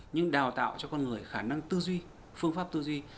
nhưng đào tạo cho con người khả năng tư duy phương pháp tư duy